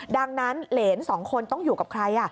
ดังนั้นเหรนสองคนต้องอยู่กับใคร